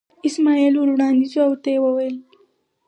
اسماعیل ور وړاندې شو او ورته یې وویل.